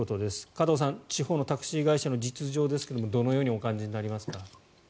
加藤さん地方のタクシー会社の実情ですがどのようにお感じになりますか。